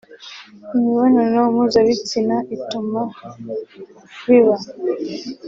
imibonano mpuzabitsina ituma biba